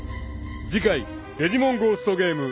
［次回『デジモンゴーストゲーム』］